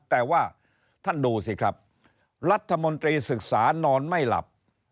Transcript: แต่ว่าท่านดูสิครับรัฐมนตรีศึกษานอนไม่หลับ